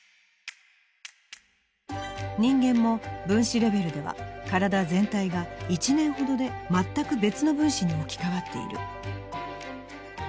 人間も分子レベルでは体全体が１年ほどで全く別の分子に置き換わっている。